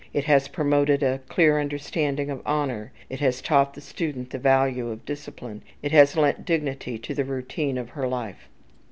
It has promoted a clear understanding of honour, it has taught the student the value of discipline, it has lent dignity to the routine of her life.